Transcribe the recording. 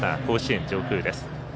甲子園上空です。